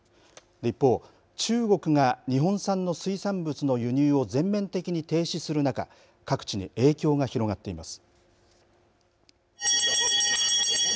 一方、中国が日本産の水産物の輸入を全面的に停止する中各地に影響が広がっています。